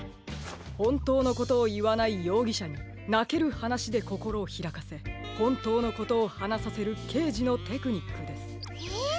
ほんとうのことをいわないようぎしゃになけるはなしでこころをひらかせほんとうのことをはなさせるけいじのテクニックです。へ！